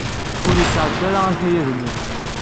Ur yesɛedda ara akayad-nni.